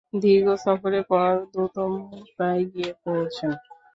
দীর্ঘ সফরের পর দূত মুতায় গিয়ে পৌঁছেন।